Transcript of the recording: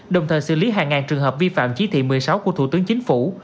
đồng thời xử lý hàng ngàn trường hợp vi phạm chỉ thị một mươi sáu của thủ tướng chính phủ